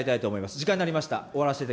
時間になりました。